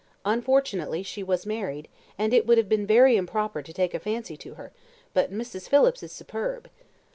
Unfortunately, she was married, and it would have been very improper to take a fancy to her, but Mrs. Phillips is superb."